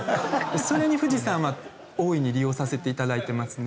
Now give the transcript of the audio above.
それに富士山は大いに利用させていただいてますね。